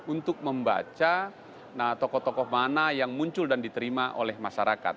untuk membaca tokoh tokoh mana yang muncul dan diterima oleh masyarakat